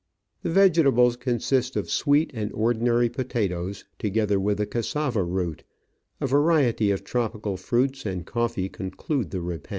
The vegetables consist of sweet and ordinary potatoes, together with the cassava root; a variety of tropical fruits and coffee conclude the repast.